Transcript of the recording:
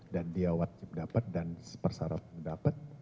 dan dia dapat dan persara dapat